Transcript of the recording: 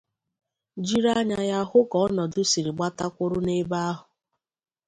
jiri anya ya hụ ka ọnọdụ siri gbata kwụrụ n'ebe hụ